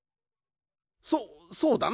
そそうだな。